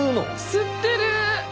吸ってる！